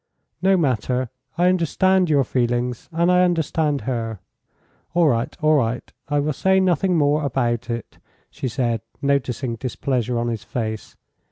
"No matter. I understand your feelings, and I understand her. All right, all right. I will say nothing more about it," she said, noticing displeasure on his face.